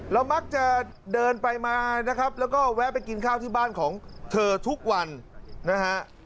มักจะเดินไปมานะครับแล้วก็แวะไปกินข้าวที่บ้านของเธอทุกวันนะฮะ